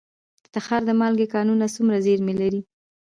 د تخار د مالګې کانونه څومره زیرمې لري؟